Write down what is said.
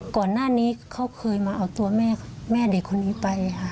ก่อนหน้านี้เขาเคยมาเอาตัวแม่เด็กคนนี้ไปค่ะ